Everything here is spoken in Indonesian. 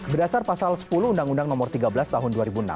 berdasar pasal sepuluh undang undang nomor tiga belas tahun dua ribu enam